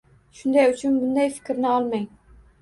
Shuning uchun bunday fikrni olmang.